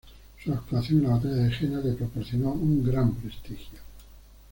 Su actuación en la batalla de Jena le proporcionó un gran prestigio.